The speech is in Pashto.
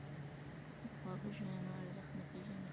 د خواږه شیانو ارزښت نه پېژني.